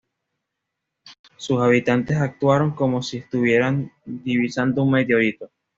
sus habitantes actuaron como si estuvieran divisando un meteorito